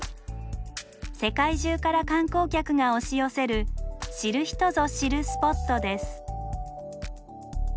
世界中から観光客が押し寄せる知る人ぞ知るスポットです。